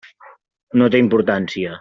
No té importància.